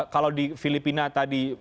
kalau di filipina tadi